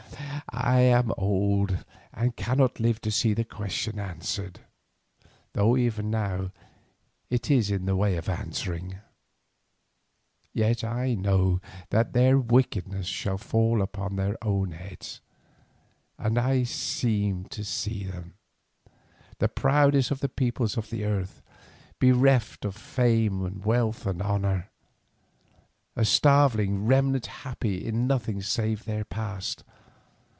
I am old and cannot live to see the question answered, though even now it is in the way of answering. Yet I know that their wickedness shall fall upon their own heads, and I seem to see them, the proudest of the peoples of the earth, bereft of fame and wealth and honour, a starveling remnant happy in nothing save their past.